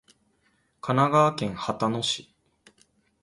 神奈川県秦野市